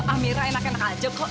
amirah enak enak aja kok